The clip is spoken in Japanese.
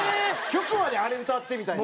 曲まで「あれ歌って」みたいな。